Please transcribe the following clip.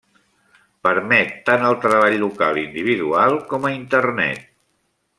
Permet tant el treball local individual, com a Internet.